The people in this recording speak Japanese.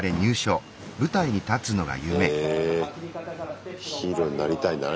へえヒーローになりたいんだな